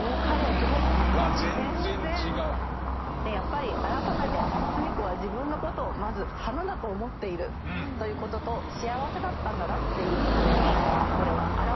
やっぱり改めて芙美子は自分のことをまず花だと思っているということと幸せだったんだなっていうところにこれは表れてると思います。